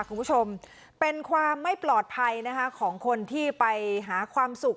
คุณผู้ชมเป็นความไม่ปลอดภัยนะคะของคนที่ไปหาความสุข